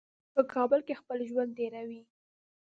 په کابل کې خپل ژوند تېروي.